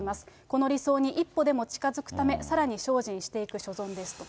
この理想に一歩でも近づくため、さらに精進していく所存ですと。